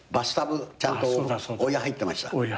ちゃんとお湯入ってました。